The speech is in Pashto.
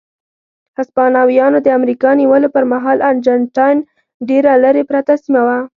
هسپانویانو د امریکا نیولو پر مهال ارجنټاین ډېره لرې پرته سیمه وه.